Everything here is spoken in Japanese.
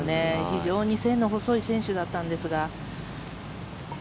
非常に線の細い選手だったんですが。